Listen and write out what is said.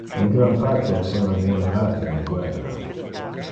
Mi granpatre esseva vulnerate in le guerra.